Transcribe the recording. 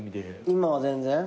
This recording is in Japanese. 今は全然？